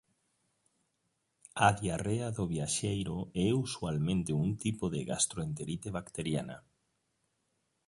A "diarrea do viaxeiro" é usualmente un tipo de gastroenterite bacteriana.